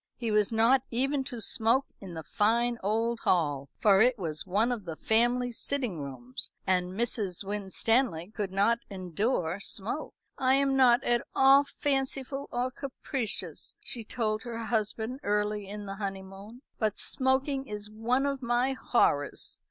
He was not even to smoke in the fine old hall, for it was one of the family sitting rooms, and Mrs. Winstanley could not endure smoke. "I am not at all fanciful or capricious," she told her husband early in the honeymoon, "but smoking is one of my horrors.